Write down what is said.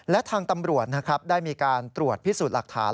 และทางตำรวจนะครับได้มีการตรวจพิสูจน์หลักฐาน